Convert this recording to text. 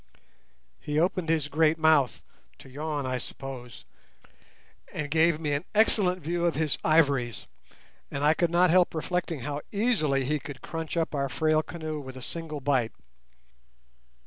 He opened his great mouth, to yawn, I suppose, and gave me an excellent view of his ivories; and I could not help reflecting how easily he could crunch up our frail canoe with a single bite.